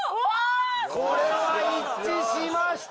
これは一致しました。